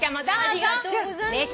ありがとうございます。